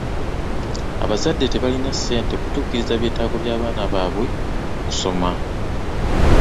Abazadde tebalina ssente kutuukiriza ebyetaago by'abaana baabwe mu kusoma.